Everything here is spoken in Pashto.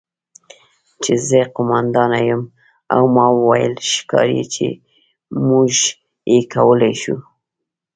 چې زه قوماندانه یم او ما وویل: 'ښکاري چې موږ یې کولی شو'.